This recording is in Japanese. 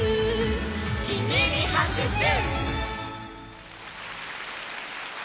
「キミにはくしゅ！」